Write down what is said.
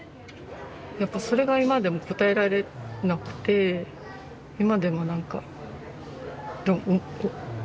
やっぱそれが今でも答えられなくて今でも何か覚えてる。